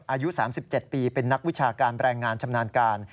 อายุ๓๗ปีเป็นนักวิชาการแรงงานชำนาญการ